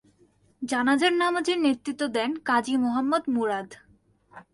জানাজার নামাজের নেতৃত্ব দেন কাজী মুহাম্মদ মুরাদ।